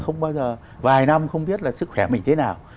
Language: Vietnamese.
không bao giờ vài năm không biết là sức khỏe mình thế nào